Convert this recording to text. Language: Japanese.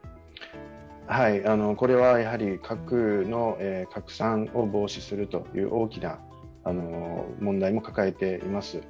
これは核の拡散を防止するという大きな問題も抱えています。